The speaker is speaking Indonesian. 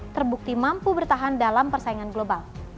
terbukti mampu bertahan dalam persaingan global